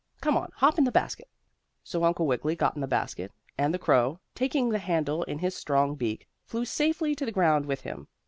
Come on, hop in the basket." So Uncle Wiggily got in the basket, and the crow, taking the handle in his strong beak, flew safely to the ground with him.